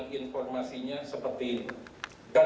yang informasinya seperti ini